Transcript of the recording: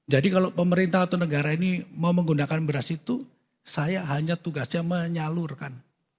kalau pemerintah atau negara ini mau menggunakan beras itu saya hanya tugasnya menyalurkan